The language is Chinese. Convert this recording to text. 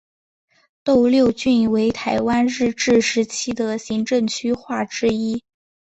斗六郡为台湾日治时期的行政区划之一。